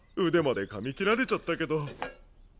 腕までかみ切られちゃったけど。